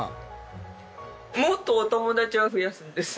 もっとお友達を増やすんです。